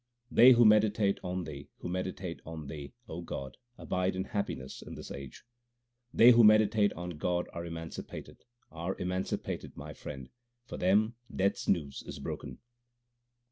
They who meditate on Thee, who meditate on Thee, O God, abide in happiness in this age. They who meditate on God are emancipated, are emanci pated, my friend ; for them Death s noose is broken.